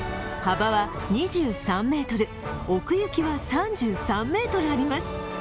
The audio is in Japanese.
幅は２３ｍ、奥行きは３３ｍあります。